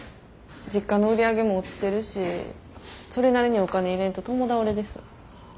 実家の売り上げも落ちてるしそれなりにお金入れんと共倒れです。